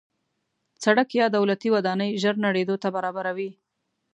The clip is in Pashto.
سړک یا دولتي ودانۍ ژر نړېدو ته برابره وي.